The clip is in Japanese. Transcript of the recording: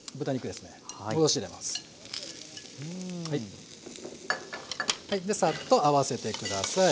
でサッと合わせて下さい。